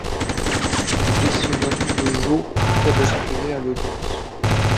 Elle se nomme Le jour où tout a basculé à l’audience.